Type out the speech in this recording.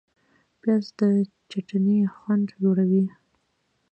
پیاز د چټني خوند لوړوي